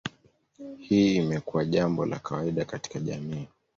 Hii imekuwa jambo la kawaida katika jamii.